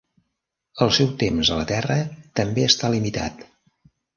El seu temps a la Terra també està limitat.